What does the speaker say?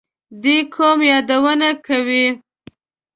دې قوم یادونه کوي.